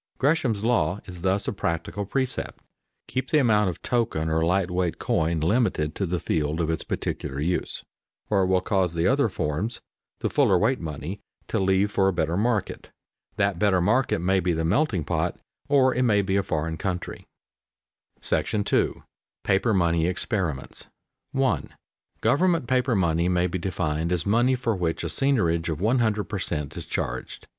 Gresham's "law" is thus a practical precept: keep the amount of token or light weight coin limited to the field of its peculiar use, or it will cause the other forms, the fuller weight money, to leave for a better market. That better market may be the melting pot or it may be a foreign country. § II. PAPER MONEY EXPERIMENTS [Sidenote: Nature of paper money] [Sidenote: The legal tender quality] 1. _Government paper money may be defined as money for which a seigniorage of one hundred per cent. is charged.